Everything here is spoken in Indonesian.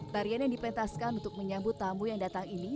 tarian yang dipentaskan untuk menyambut tamu yang datang ini